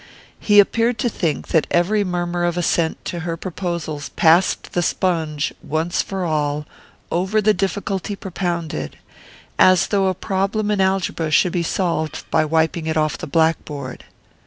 He appeared to think that every murmur of assent to her proposals passed the sponge, once for all, over the difficulty propounded: as though a problem in algebra should be solved by wiping it off the blackboard.